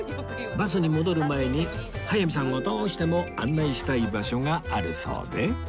バスに戻る前に早見さんをどうしても案内したい場所があるそうで